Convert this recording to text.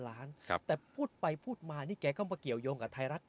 ล้านแต่พูดไปพูดมานี่แกก็มาเกี่ยวยงกับไทยรัฐ